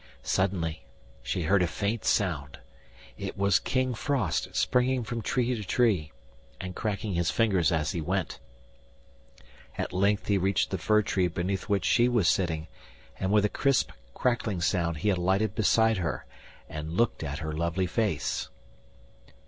Suddenly she heard a faint sound: it was King Frost springing from tree to tree, and cracking his fingers as he went. At length he reached the fir tree beneath which she was sitting, and with a crisp crackling sound he alighted beside her, and looked at her lovely face.